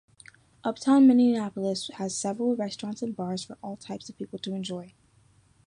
Uptown Minneapolis has several restaurants and bars for all types of people to enjoy.